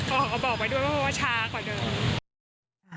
ขอบอกไว้ด้วยเพราะว่าช้ากว่าเดิม